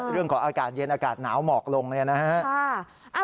เรื่องของอากาศเย็นอากาศหนาวหมอกลงเลยนะฮะ